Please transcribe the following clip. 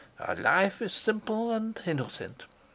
Our life is simple and innocent.